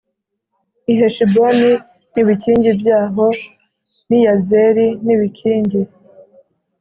I heshiboni n ibikingi byaho n i yazeri n ibikingi